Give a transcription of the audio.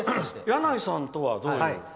箭内さんとは、どういう？